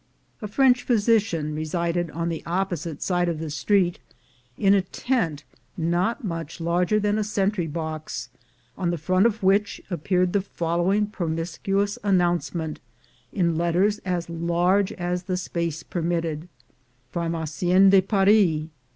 A French physician re sided on the opposite side of the street in a tent not much larger than a sentry box, on the front of which appeared the following promiscuous announcement, in letters as large as the space admitted — "Pharmacien de Paris.